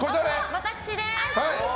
私です！